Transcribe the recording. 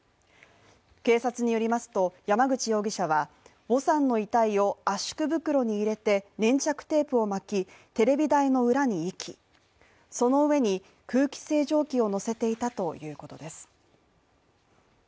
警察によりますと、山口容疑者はヴォさんの遺体を圧縮袋に入れて粘着テープを巻き、テレビ台の裏に遺棄、その上に空気清浄機をのせていたということです。